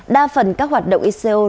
đa phần các hoạt động ico